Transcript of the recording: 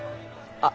あっ！